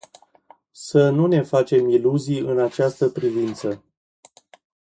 Să nu ne facem iluzii în această privință.